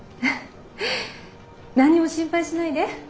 何にも心配しないで。